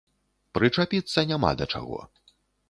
Прычапіцца няма да чаго.